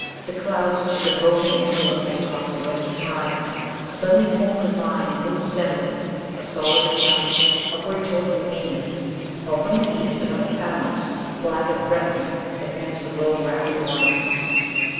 The clouds which had been roving indolently across the western horizon suddenly formed in line and moved steadily a solid battalion upward towards the zenith, while from the east another phalanx, black and threatening, advanced with low, wrathful mutterings.